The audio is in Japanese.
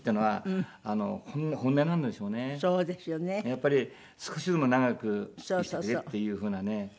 やっぱり少しでも長く生きてくれっていう風なね。